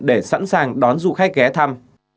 để sẵn sàng đón du khách ghé thăm